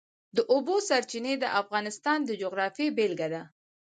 د اوبو سرچینې د افغانستان د جغرافیې بېلګه ده.